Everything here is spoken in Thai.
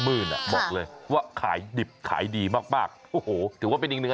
มืดอ่ะบอกเลยว่าขายดิบขายดีมากถือว่าเป็นอีกหนึ่ง